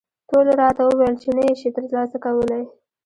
ټولو راته وویل چې نه یې شې ترلاسه کولای.